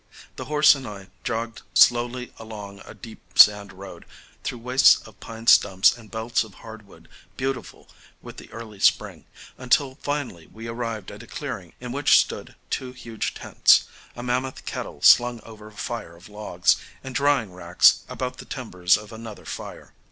The horse and I jogged slowly along a deep sand road, through wastes of pine stumps and belts of hardwood beautiful with the early spring, until finally we arrived at a clearing in which stood two huge tents, a mammoth kettle slung over a fire of logs, and drying racks about the timbers of another fire.